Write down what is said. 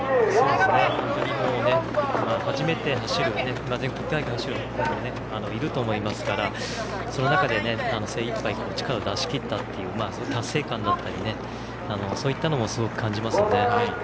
本当に初めて全国大会を走る選手もいると思いますからその中で、精いっぱい力を出し切った達成感だったりそういったこともすごく感じますよね。